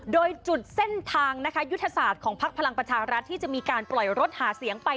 โดยจุดเส้นทางนะคะยุทธศาสตร์ของพักพลังประชารัฐที่จะมีการปล่อยรถหาเสียงไป